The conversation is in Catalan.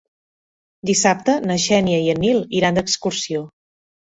Dissabte na Xènia i en Nil iran d'excursió.